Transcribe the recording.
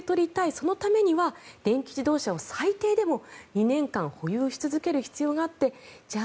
そのためには電気自動車を最低でも２年間保有し続ける必要があってじゃあ